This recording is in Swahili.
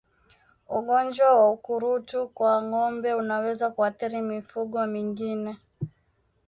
Ugonjwa wa ukurutu kwa ngombe unaweza kuathiri mifugo mingine